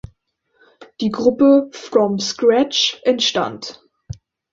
Die Gruppe "From Scratch" entstand.